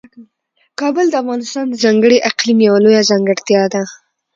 کابل د افغانستان د ځانګړي اقلیم یوه لویه ځانګړتیا ده.